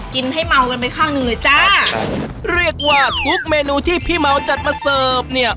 ให้เมากันไปข้างหนึ่งเลยจ้าครับเรียกว่าทุกเมนูที่พี่เมาจัดมาเสิร์ฟเนี่ย